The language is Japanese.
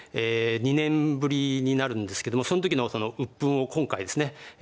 ２年ぶりになるんですけどもその時のその鬱憤を今回ですね呉